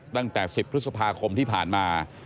ตั้งแต่๑๐พฤษภาคมที่ผ่านมา